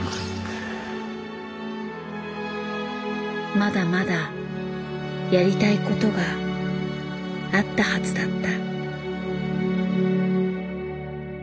まだまだやりたいことがあったはずだった。